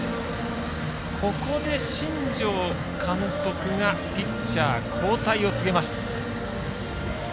ここで新庄監督がピッチャー交代を告げます。